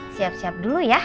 siap siap dulu ya